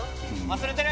忘れてる！